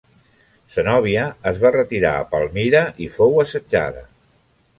Zenòbia es va retirar a Palmira i fou assetjada.